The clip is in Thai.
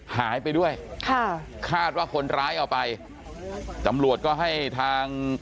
หายไปด้วยค่ะคาดว่าคนร้ายเอาไปตำรวจก็ให้ทาง